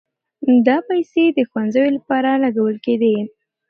دا پيسې د ښوونځيو لپاره لګول کېدې.